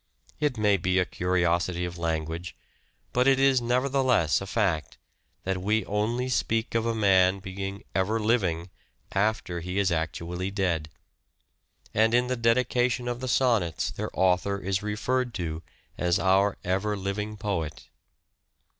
It may be a curiosity of language, but it is nevertheless a fact, that we only speak of a man being " ever living " after he is actually dead ; and in the dedication of the Sonnets their author is referred to as " our ever living poet."